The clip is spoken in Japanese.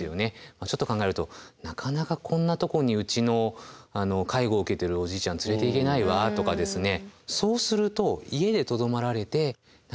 ちょっと考えるとなかなかこんなところにうちの介護を受けてるおじいちゃん連れていけないわとかですね。